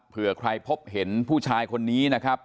เพื่อใครพบเห็นผู้ชายคนนี้นะครับ